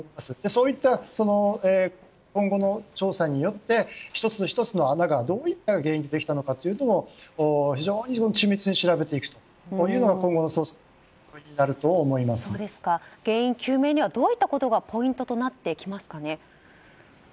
そういった今後の調査によって１つ１つの穴がどういった原因でできたのかを非常に緻密に調べていくことが原因究明にはどういったことがポイントとなってきますか。